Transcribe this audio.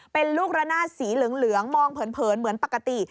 เป็นลูกระนาดสีเหลืองมองเผินเหมือนปกติ